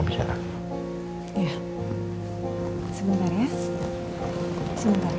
bisa mau ketemu sama aku